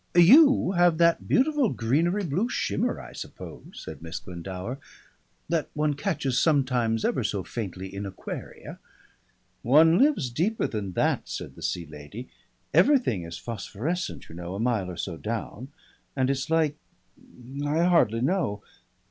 "You have that beautiful greenery blue shimmer I suppose," said Miss Glendower, "that one catches sometimes ever so faintly in aquaria " "One lives deeper than that," said the Sea Lady. "Everything is phosphorescent, you know, a mile or so down, and it's like I hardly know.